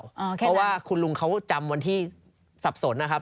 เพราะว่าคุณลุงเขาจำวันที่สับสนนะครับ